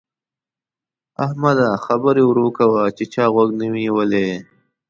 احمده! خبرې ورو کوه چې چا غوږ نه وي نيولی.